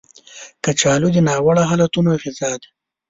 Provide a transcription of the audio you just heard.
کچالو د ناوړه حالتونو غذا ده